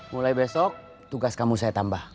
mulai besok tugas kamu saya tambah